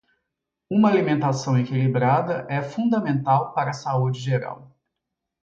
Uma alimentação equilibrada é fundamental para a saúde geral.